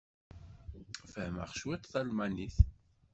Fehhmeɣ cwiṭ talmanit.